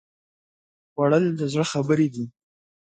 خوړل د زړه خبرې دي